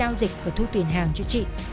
thuê hùng đi giao dịch và thu tiền hàng cho chị